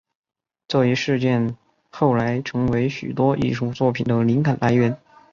这一事件后来成为许多艺术作品的灵感来源。